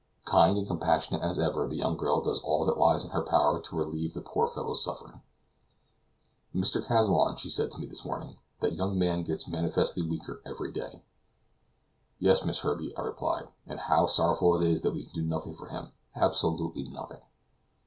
Kind and compassionate as ever, the young girl does all that lies in her power to relieve the poor fellow's sufferings. "Mr. Kazallon," she said to me this morning, "that young man gets manifestly weaker every day." "Yes, Miss Herbey," I replied, "and how sorrowful it is that we can do nothing for him, absolutely nothing."